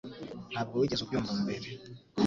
Ntabwo wigeze ubyumva mbere.